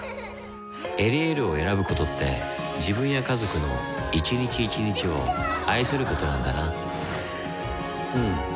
「エリエール」を選ぶことって自分や家族の一日一日を愛することなんだなうん。